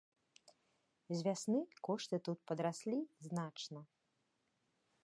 З вясны кошты тут падраслі значна.